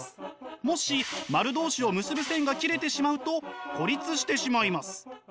もし丸同士を結ぶ線が切れてしまうと孤立してしまいます。